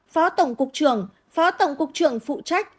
phó tổng cục trưởng phó tổng cục trưởng phụ trách